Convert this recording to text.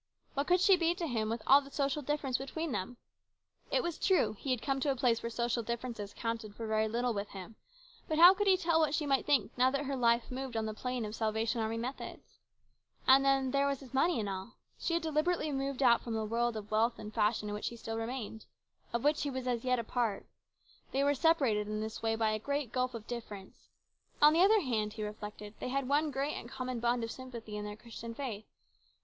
What could she be to him with all the social difference between them ? It is true he had come to a place where social differences counted for very little with him, but how could he tell what she might think now that her life moved on the plane of Salvation Army methods ? And then, there was his money and all. She had deliberately moved out from the world of wealth and fashion in which he still remained, of which he was yet a part. They were separated in this way by a great gulf of difference. On the other hand, he reflected, they had one great and common bond of sympathy in their Christian faith.